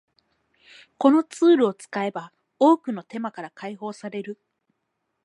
このツールを使えば多くの手間から解放される